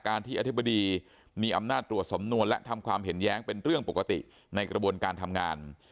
ที่อธิบดีมีอำนาจตรวจสำนวนและทำความเห็นแย้งเป็นเรื่องปกติในกระบวนการทำงาน